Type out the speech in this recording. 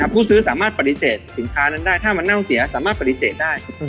ผู้ซื้อสามารถปฏิเสธสินค้านั้นได้ถ้ามันเน่าเสียสามารถปฏิเสธได้